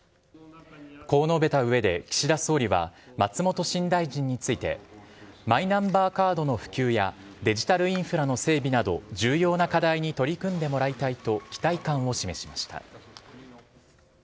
こう述べたうえで、岸田総理は松本新大臣について、マイナンバーカードの普及や、デジタルインフラの整備など、重要な課題に取り組んでもらいたいと、期待感を示しました。